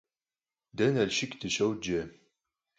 Дэ Налшык дыщоджэ.